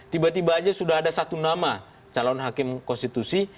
tiba tiba aja sudah ada satu nama calon hakim konstitusi